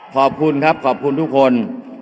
ขอบคุณครับขอบคุณทุกคน